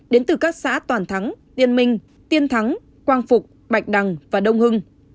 đến từ các xã toàn thắng yên minh tiên thắng quang phục bạch đằng và đông hưng